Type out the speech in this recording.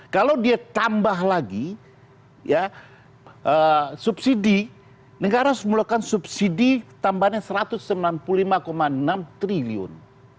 kalau dia tambah lagi subsidi negara harus melakukan subsidi tambahannya rp satu ratus sembilan puluh lima enam triliun